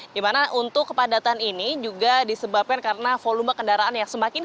dimana untuk kepadatan ini juga disebabkan karena volume kendaraan yang semakin